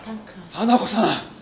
花子さん！